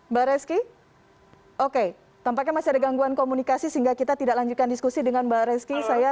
mbak reski oke tampaknya masih ada gangguan komunikasi sehingga kita tidak lanjutkan diskusi dengan mbak reski